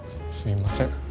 すいません。